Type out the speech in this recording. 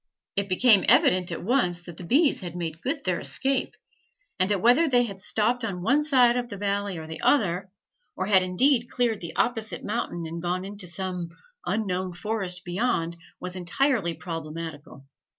It became evident at once that the bees had made good their escape, and that whether they had stopped on one side of the valley or the other, or had indeed cleared the opposite mountain and gone into some unknown forest beyond, was entirely problematical.